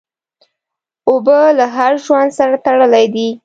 اوبه له هر ژوند سره تړلي دي.